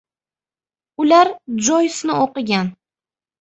Ular Joysni o‘qigan!..